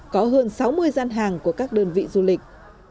của các đơn vị du lịch